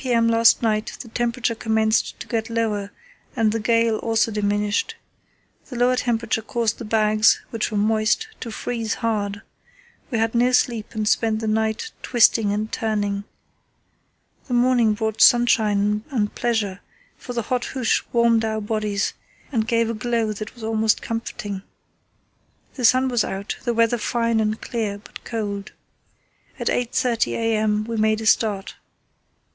m. last night the temperature commenced to get lower and the gale also diminished. The lower temperature caused the bags, which were moist, to freeze hard. We had no sleep and spent the night twisting and turning. The morning brought sunshine and pleasure, for the hot hoosh warmed our bodies and gave a glow that was most comforting. The sun was out, the weather fine and clear but cold. At 8.30 a.m. we made a start.